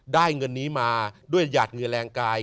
ได้เงินนี้มาด้วยหยาดเหงื่อแรงกาย